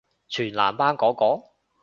全男班嗰個？